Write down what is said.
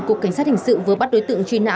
cục cảnh sát hình sự vừa bắt đối tượng truy nã